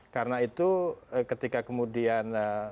karena itu ketika kemudian